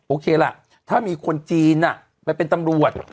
โอเคล่ะถ้ามีคนจีนไปเป็นตำรวจ